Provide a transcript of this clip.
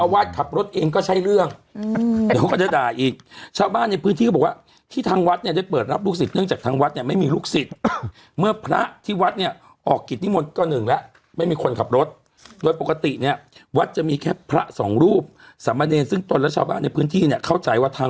วาดขับรถเองก็ใช่เรื่องเดี๋ยวก็จะด่าอีกชาวบ้านในพื้นที่ก็บอกว่าที่ทางวัดเนี่ยได้เปิดรับลูกศิษย์เนื่องจากทางวัดเนี่ยไม่มีลูกศิษย์เมื่อพระที่วัดเนี่ยออกกิจนิมนต์ก็หนึ่งแล้วไม่มีคนขับรถโดยปกติเนี่ยวัดจะมีแค่พระสองรูปสามเณรซึ่งตนและชาวบ้านในพื้นที่เนี่ยเข้าใจว่าทาง